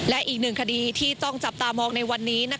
และอีกหนึ่งคดีที่ต้องจับตามองในวันนี้